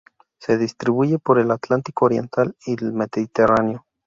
Se distribuye por el Atlántico oriental y el Mediterráneo.